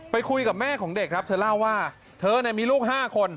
คุยกับแม่ของเด็กครับเธอเล่าว่าเธอมีลูก๕คน